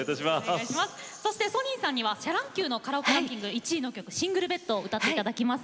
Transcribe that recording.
そしてソニンさんにはシャ乱Ｑのカラオケランキング１位の曲「シングルベッド」を歌って頂きます。